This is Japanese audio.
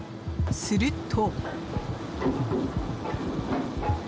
すると。